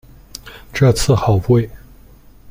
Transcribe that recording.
这次好贵